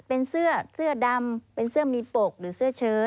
เป็นเสื้อเสื้อดำเป็นเสื้อมีปกหรือเสื้อเชิด